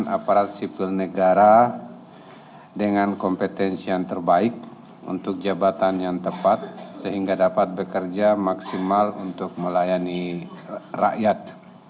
aparat sipil negara dengan kompetensi yang terbaik untuk jabatan yang tepat sehingga dapat bekerja maksimal untuk melayani rakyat